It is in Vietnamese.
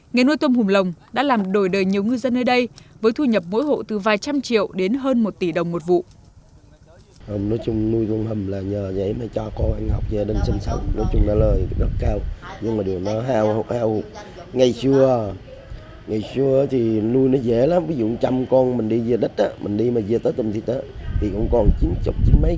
người nuôi tôm hùm lồng đã làm đổi đời nhiều ngư dân nơi đây với thu nhập mỗi hộ từ vài trăm triệu đến hơn một tỷ đồng một vụ